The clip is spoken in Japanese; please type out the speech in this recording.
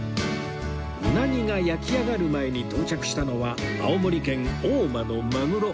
うなぎが焼き上がる前に到着したのは青森県大間のマグロ